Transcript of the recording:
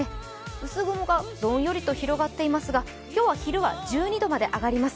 薄雲がどんよりと広がっていますが今日は昼は１２度まで上がります。